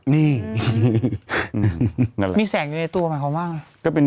นี่มีแสงอยู่ในตัวหมายความบ้าง